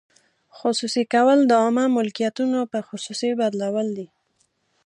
خصوصي کول د عامه ملکیتونو په خصوصي بدلول دي.